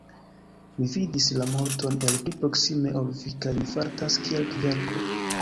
Mi vidis la morton el pli proksime ol vi, kaj mi fartas kiel kverko.